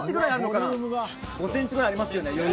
５ｃｍくらいありますね。